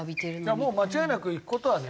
いやもう間違いなく行く事はね。